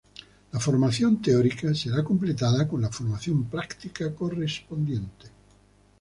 La formación teórica será completada con la formación práctica correspondiente.